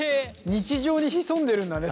日常に潜んでるんだね